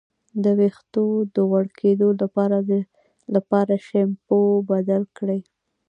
د ویښتو د غوړ کیدو لپاره شیمپو بدل کړئ